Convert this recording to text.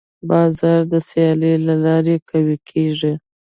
بازار د سیالۍ له لارې قوي کېږي.